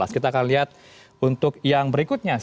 kita akan lihat untuk yang berikutnya